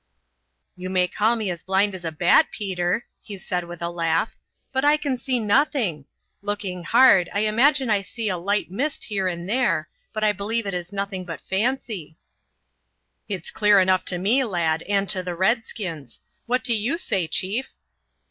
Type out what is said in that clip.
"You may call me as blind as a bat, Peter," he said with a laugh, "but I can see nothing. Looking hard I imagine I can see a light mist here and there, but I believe it is nothing but fancy." "It's clear enough to me, lad, and to the redskins. What do you say, chief?"